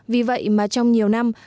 vì vậy mà trong nhiều năm